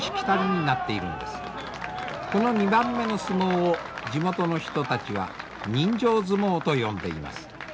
この２番目の相撲を地元の人たちは人情相撲と呼んでいます。